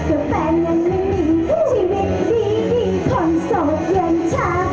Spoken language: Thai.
แต่แฟนยังไม่มีชีวิตดีดีผ่อนโสดอย่างเธอ